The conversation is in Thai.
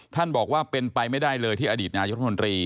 ท่านบอกว่าเป็นไปไม่ได้เลยที่อดีตนายุทธมนตรี